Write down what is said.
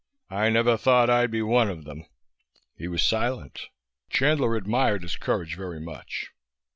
I never thought I'd be one of them." He was silent. Chandler admired his courage very much.